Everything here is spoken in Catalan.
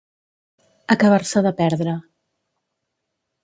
Acabar-se de perdre.